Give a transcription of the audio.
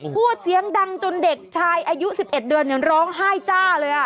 พูดเสียงดังจนเด็กชายอายุ๑๑เดือนร้องไห้จ้าเลย